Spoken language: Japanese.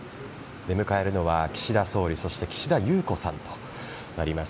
出迎えるのは岸田総理そして岸田裕子さんとなります。